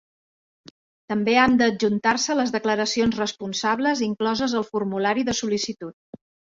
També han d'adjuntar-se les declaracions responsables incloses al formulari de sol·licitud.